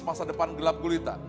masa depan gelap gulita